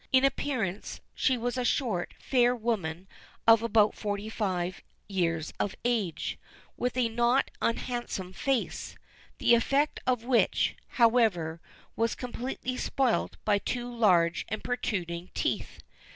In appearance she was a short, fair woman, of about forty five years of age, with a not unhandsome face, the effect of which, however, was completely spoilt by two large and protruding teeth.